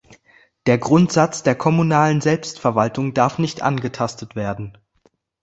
Der Grundsatz der kommunalen Selbstverwaltung darf nicht angetastet werden.